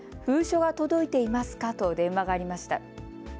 封書は届いていますかと電話がありました。